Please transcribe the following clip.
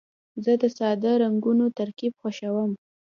زه د ساده رنګونو ترکیب خوښوم.